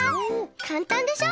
かんたんでしょ？